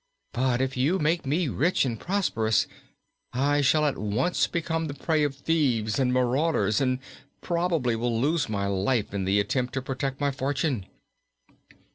But if you make me rich and prosperous I shall at once become the prey of thieves and marauders and probably will lose my life in the attempt to protect my fortune."